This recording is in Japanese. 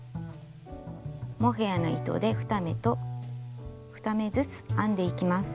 モヘアの糸で２目と２目ずつ編んでいきます。